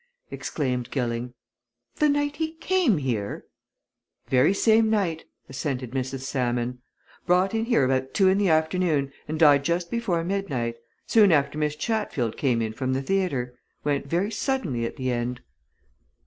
exclaimed Gilling, "the night he came here?" "Very same night," assented Mrs. Salmon. "Brought in here about two in the afternoon and died just before midnight soon after Miss Chatfield came in from the theatre. Went very suddenly at the end."